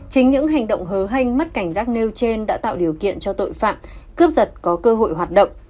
chính những hành động hớ hanh mất cảnh giác nêu trên đã tạo điều kiện cho tội phạm cướp giật có cơ hội hoạt động